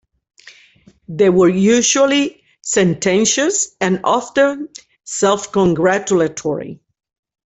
They were usually sententious and often self-congratulatory.